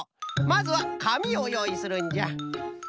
まずはかみをよういするんじゃ。